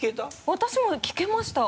私も聴けました。